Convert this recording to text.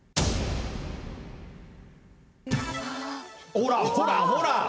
ほらほらほら。